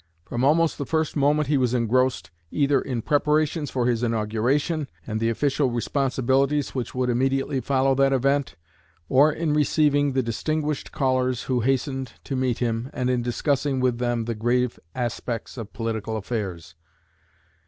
From almost the first moment he was engrossed either in preparations for his inauguration and the official responsibilities which would immediately follow that event, or in receiving the distinguished callers who hastened to meet him and in discussing with them the grave aspects of political affairs.